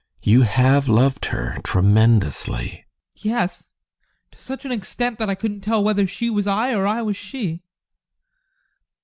You have loved her tremendously! ADOLPH. Yes, to such an extent that I couldn't tell whether she was I or I she.